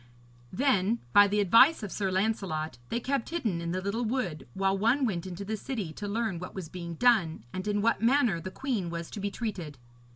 Then, by the advice of Sir Lancelot, they kept hidden in the little wood, while one went into the city to learn what was being done, and in what manner the queen was to be treated.